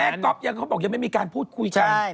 แม่ก๊อปเขาบอกยังไม่มีการพูดคุยกัน